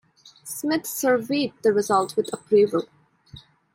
Smith surveyed the result with approval.